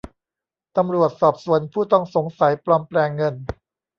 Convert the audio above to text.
ตำรวจสอบสวนผู้ต้องสงสัยปลอมแปลงเงิน